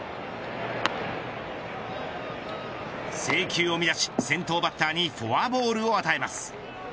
制球を乱し先頭バッターにフォアボールを与えます。